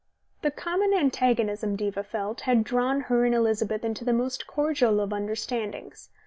The common antagonism, Diva felt, had drawn her and Elizabeth into the most cordial of understandings.